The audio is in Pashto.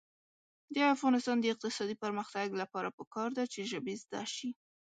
د افغانستان د اقتصادي پرمختګ لپاره پکار ده چې ژبې زده شي.